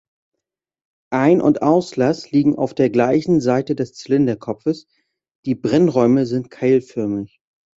Ein- und Auslass liegen auf der gleichen Seite des Zylinderkopfes, die Brennräume sind keilförmig.